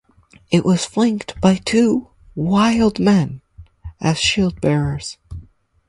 It was flanked by two "wild men" as shield bearers.